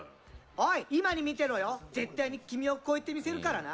おい、今に見てろよ絶対に君を超えてみせるからな。